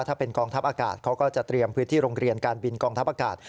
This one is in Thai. ถ้าเป็นกองทัพอากาศเขาก็จะเตรียมพื้นที่โรงเรียนการบินกองทัพอากาศ